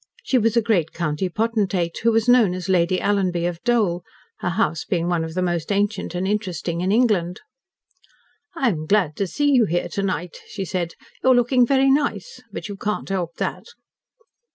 She was a great county potentate, who was known as Lady Alanby of Dole her house being one of the most ancient and interesting in England. "I am glad to see you here to night," she said. "You are looking very nice. But you cannot help that."